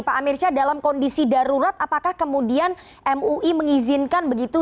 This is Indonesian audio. pak amir syah dalam kondisi darurat apakah kemudian mui mengizinkan begitu